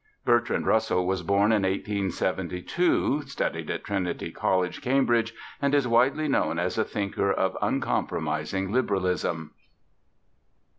Bertrand Russell was born in 1872, studied at Trinity College, Cambridge, and is widely known as a thinker of uncompromising liberalism.